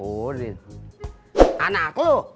udin anak lu